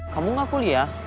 kamu gak kuliah